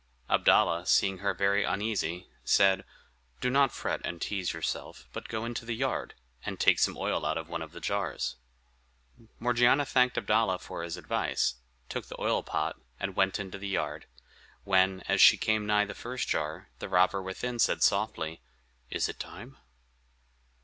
Abdalla, seeing her very uneasy, said, "Do not fret and tease yourself, but go into the yard, and take some oil out of one of the jars." Morgiana thanked Abdalla for his advice, took the oil pot, and went into the yard; when, as she came nigh the first jar, the robber within said softly, "Is it time?"